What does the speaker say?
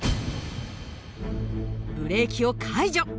ブレーキを解除。